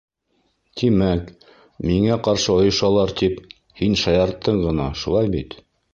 Тимәк, миңә ҡаршы ойошалар, тип, һин шаярттың ғына, шулай бит?